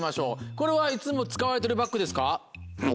これはいつも使われてるバッグですか？